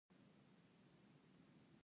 لکه زموږ خلق چې رخچينې خولۍ سينګاروي.